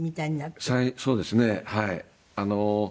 そうですねはい。